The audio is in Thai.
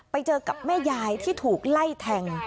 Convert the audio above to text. ไปเจอกับแม่ยายที่ถูกไล่แทง